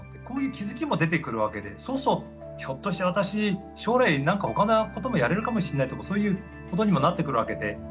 こういう気付きも出てくるわけでそうするとひょっとして私将来何かほかのこともやれるかもしれないとかそういうことにもなってくるわけで。